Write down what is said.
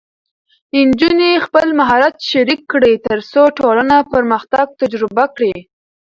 نجونې خپل مهارت شریک کړي، ترڅو ټولنه پرمختګ تجربه کړي.